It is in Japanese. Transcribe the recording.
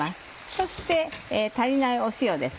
そして足りない塩です。